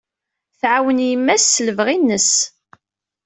Tɛawen yemma-s s lebɣi-nnes.